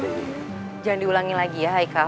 jangan diulangi lagi ya haika